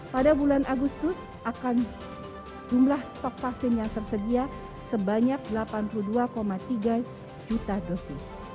pada bulan agustus akan jumlah stok vaksin yang tersedia sebanyak delapan puluh dua tiga juta dosis